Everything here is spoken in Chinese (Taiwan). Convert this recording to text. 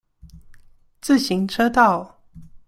自行車道